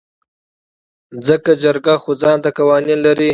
ځکه جرګه خو ځانته قوانين لري .